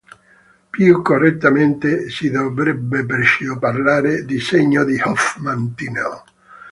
Più correttamente si dovrebbe perciò parlare di segno di Hoffmann-Tinel.